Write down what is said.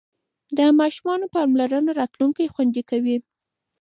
د ماشوم پاملرنه راتلونکی خوندي کوي.